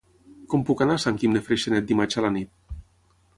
Com puc anar a Sant Guim de Freixenet dimarts a la nit?